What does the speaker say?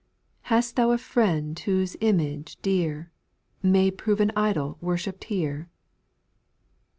8. Hast thou a friend whose image dear, May prove an idol worshipped here